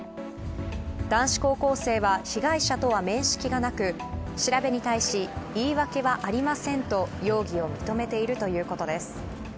男子高校生は被害者とは面識がなく調べに対し言い訳はありませんと容疑を認めているということです。